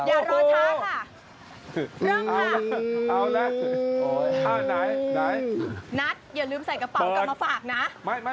นัทอย่าลืมใส่กระเป๋ากลับมาฝากนะ